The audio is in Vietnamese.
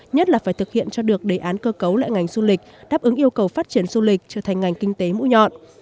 nhất là phải thực hiện cho được đề án cơ cấu lại ngành du lịch đáp ứng yêu cầu phát triển du lịch trở thành ngành kinh tế mũi nhọn